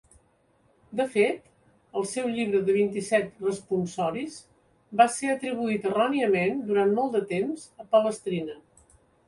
De fet, el seu llibre de vint-i-set "responsoris" va ser atribuït erròniament durant molt de temps a Palestrina.